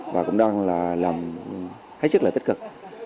và cũng đang làm hết sức là tích cực